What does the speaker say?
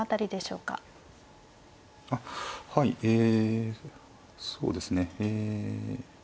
あっはいえそうですねえ